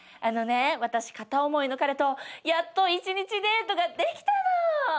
あのね私片思いの彼とやっと一日デートができたの。